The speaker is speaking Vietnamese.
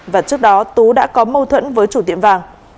và trước đó tú đã có mâu thuẫn với chủ tiệm vàng